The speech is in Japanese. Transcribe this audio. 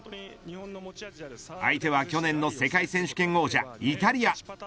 相手は去年の世界選手権王者イタリア。